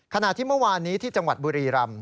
ขณะที่เมื่อวานนี้ที่จังหวัดบุรีรำ